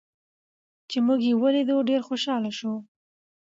چې موږ یې ولیدو، ډېر خوشحاله شو.